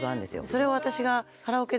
それを私が。